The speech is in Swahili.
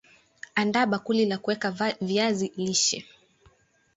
andaa bakuli la kuweka viazi lishe